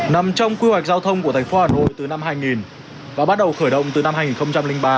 nằm trong quy hoạch giao thông của thành phố hà nội từ năm hai nghìn và bắt đầu khởi động từ năm hai nghìn ba